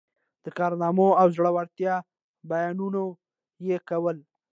د کارنامو او زړه ورتیا بیانونه یې کول.